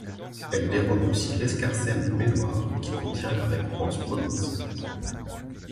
Elle dérobe aussi l'escarcelle de Méloir, qui contient la récompense promise.